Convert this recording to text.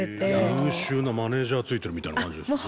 優秀なマネージャーついてるみたいな感じですね。